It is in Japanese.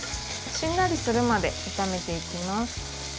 しんなりするまで炒めていきます。